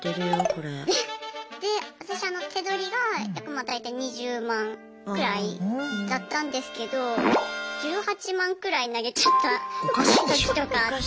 私手取りが約まあ大体２０万くらいだったんですけど１８万くらい投げちゃったときとかあって。